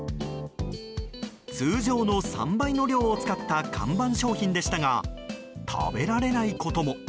通常の３倍の量を使った看板商品でしたが食べられないことも。